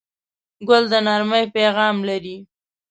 ګل د نرمۍ پیغام لري.